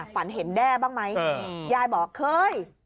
ฝันเห็นแด้บ้างไหมยายบอกเคย